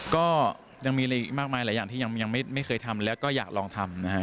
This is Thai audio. ก็ยังมีอะไรอีกมากมายหลายอย่างที่ยังไม่เคยทำแล้วก็อยากลองทำนะฮะ